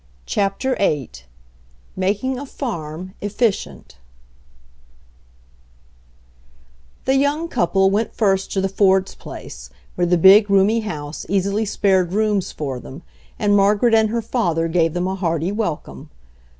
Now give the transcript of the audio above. CHAPTER VIII MAKING A FARM EFFICIENT The young couple went first to the Fords' place, where the big roomy house easily spared rooms for them, and Margaret and her father gave them a hearty welcome.